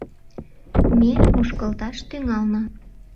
Ме мушкылташ тӱҥална.